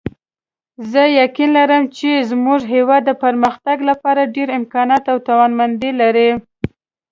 زه یقین لرم چې زموږ هیواد د پرمختګ لپاره ډېر امکانات او توانمندۍ لري